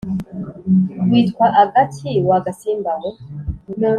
“witwa agaki wa gasimba we?”